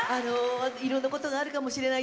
いろんなことがあるかもしれない。